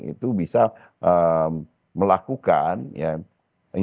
itu bisa melakukan ya